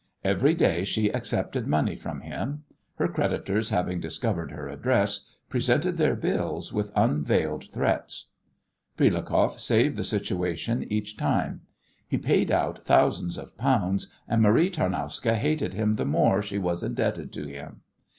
Every day she accepted money from him. Her creditors having discovered her address, presented their bills with unveiled threats. Prilukoff saved the situation each time. He paid out thousands of pounds, and Marie Tarnowska hated him the more she was indebted to him.